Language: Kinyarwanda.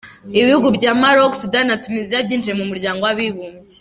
Ibihugu bya Maroc, Sudan na Tunisia byinjiye mu muryango w’abibumbye.